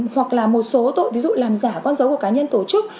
hoặc là một số tội làm giả con dấu của cá nhân tổ chức